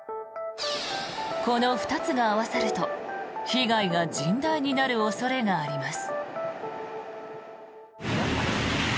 この２つが合わさると被害が甚大になる恐れがあります。